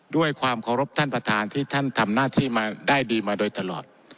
ด้วยความเคารพท่านประธานที่ท่านทำหน้าที่มาได้ดีมาโดยตลอด